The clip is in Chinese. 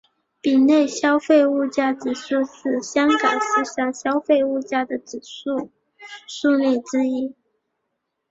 丙类消费物价指数是香港四项消费物价指数数列之一。